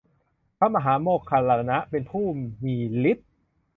พระมหาโมคคัลลานะ เป็นผู้มีฤทธิ์